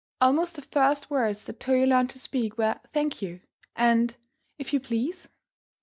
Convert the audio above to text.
Almost the first words that Toyo learned to speak were, "Thank you," and "If you please."